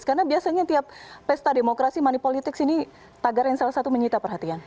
karena biasanya tiap pesta demokrasi manipolitik ini tagar yang salah satu menyita perhatian